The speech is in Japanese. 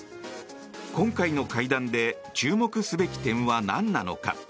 今回の会談で注目すべき点は何なのか。